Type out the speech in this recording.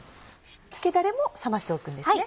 つけだれも冷ましておくんですね？